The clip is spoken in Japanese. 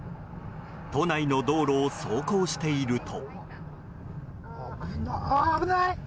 都内の道路を走行していると。